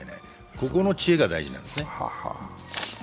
ここの知恵が大事なんですね。